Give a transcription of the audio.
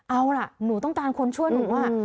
เอาล่ะหนูต้องการคนช่วยหนู